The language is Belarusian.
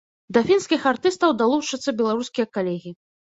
Да фінскіх артыстаў далучацца беларускія калегі.